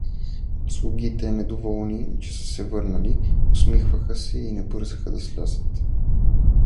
Слугите, доволни, че са се върнали, усмихваха се и не бързаха да слязат.